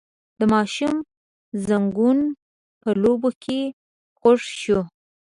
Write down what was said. د ماشوم زنګون په لوبو کې خوږ شوی و.